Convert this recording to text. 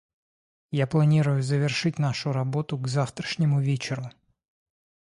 Я планирую завершить нашу работу к завтрашнему вечеру.